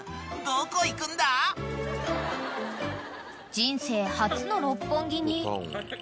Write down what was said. ［人生初の六本木に］